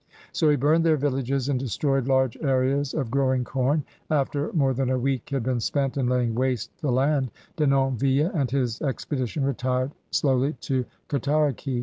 So he burned their villages and destroyed large areas of growing com. After more than a week had been spent in laying waste the land, Denonville and his expedition retired slowly to Cataraqui.